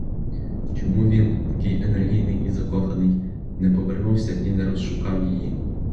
Чому він, такий енергійний і закоханий, не повернувся і не розшукав її?